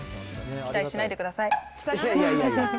期待しないでください。